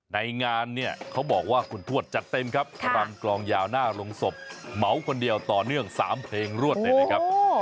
ในงานเนี่ยเขาบอกว่าคุณทวดจัดเต็มครับรำกลองยาวหน้าโรงศพเหมาคนเดียวต่อเนื่อง๓เพลงรวดเลยนะครับ